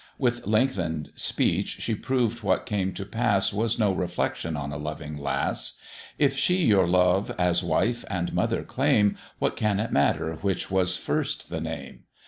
With lengthen'd speech she proved what came to pass Was no reflection on a loving lass: "If she your love as wife and mother claim, What can it matter which was first the name?